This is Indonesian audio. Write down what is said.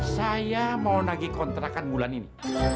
saya mau nagi kontrakan bulan ini